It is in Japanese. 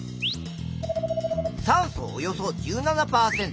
酸素およそ１７％。